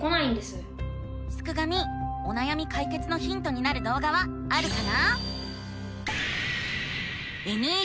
すくがミおなやみかいけつのヒントになるどうがはあるかな？